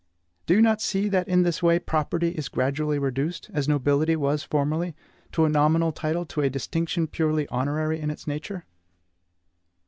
Do you not see that in this way property is gradually reduced, as nobility was formerly, to a nominal title, to a distinction purely honorary in its nature?